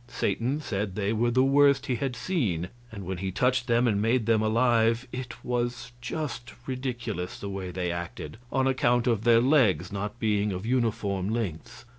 Satan said they were the worst he had seen; and when he touched them and made them alive, it was just ridiculous the way they acted, on account of their legs not being of uniform lengths.